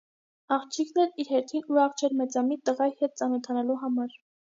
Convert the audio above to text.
Աղջիկն էլ, իր հերթին ուրախ չէր մեծամիտ տղայի հետ ծանոթանալու համար։